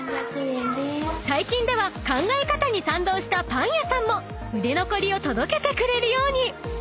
［最近では考え方に賛同したパン屋さんも売れ残りを届けてくれるように］